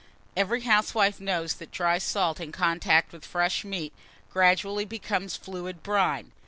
Every housewife knows that dry salt in contact with fresh meat gradually becomes fluid brine.